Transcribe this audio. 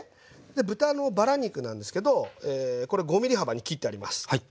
豚のバラ肉なんですけどこれ５ｍｍ幅に切ってあります。